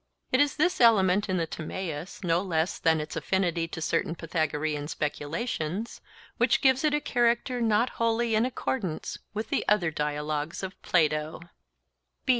It is this element in the Timaeus, no less than its affinity to certain Pythagorean speculations, which gives it a character not wholly in accordance with the other dialogues of Plato.